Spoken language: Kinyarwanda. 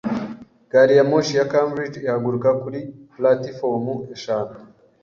Gari ya moshi ya Cambridge ihaguruka kuri platifomu eshanu